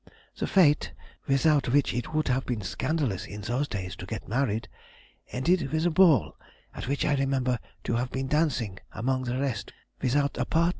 The fête (without which it would have been scandalous in those days to get married) ended with a ball, at which I remember to have been dancing among the rest without a partner."